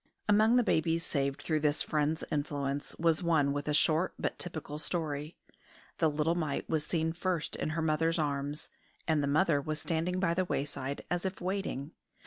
Among the babies saved through this friend's influence was one with a short but typical story. The little mite was seen first in her mother's arms, and the mother was standing by the wayside, as if waiting.